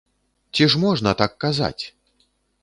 Ці ж можна так казаць?